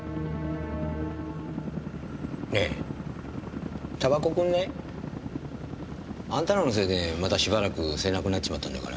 ねぇタバコくんない？あんたらのせいでまたしばらく吸えなくなっちまったんだから。